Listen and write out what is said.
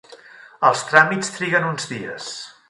Els tràmits triguen uns dies.